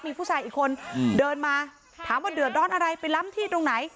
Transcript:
มีผู้ชายอีกคนเดินมาถามว่าเดือดร้อนอะไรไปล้ำที่ตรงไหน